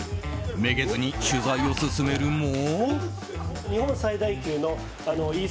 めげずに取材を進めるも。